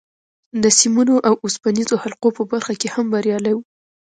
د سیمونو او اوسپنیزو حلقو په برخه کې هم بریالی و